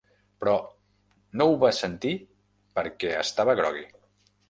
Però no ho va sentir perquè estava grogui.